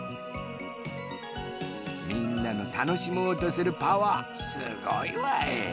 みんなのたのしもうとするパワーすごいわい。